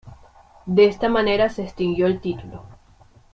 De esta manera se extinguió el título.